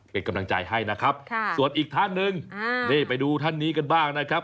เป็นกำลังใจให้นะครับส่วนอีกท่านหนึ่งนี่ไปดูท่านนี้กันบ้างนะครับ